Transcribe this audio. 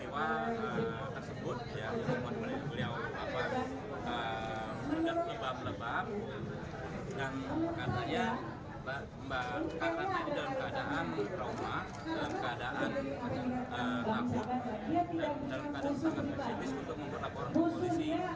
ketika ratna di dalam keadaan trauma keadaan takut dan dalam keadaan sangat pesimis untuk mendorong polisi